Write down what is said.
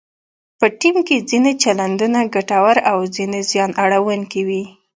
په ټیم کې ځینې چلندونه ګټور او ځینې زیان اړونکي وي.